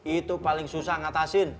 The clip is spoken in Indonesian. itu paling susah ngatasin